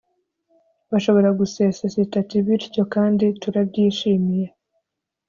bashobora gusesa sitati bityo kandi turabyishimiye